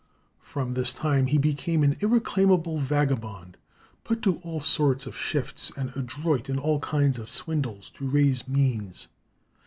From this time he became an irreclaimable vagabond, put to all sorts of shifts, and adroit in all kinds of swindles, to raise means.